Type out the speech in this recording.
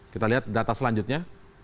kita lihat data selanjutnya